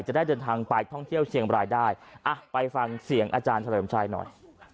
จะได้เดินทางไปท่องเที่ยวเชียงบรายได้อ่ะไปฟังเสียงอาจารย์เฉลิมชัยหน่อย